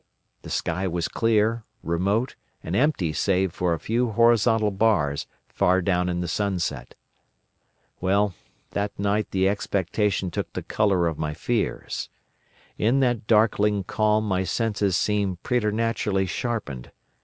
The sky was clear, remote, and empty save for a few horizontal bars far down in the sunset. Well, that night the expectation took the colour of my fears. In that darkling calm my senses seemed preternaturally sharpened.